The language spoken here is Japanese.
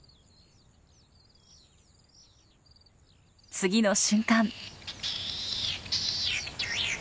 次の瞬間。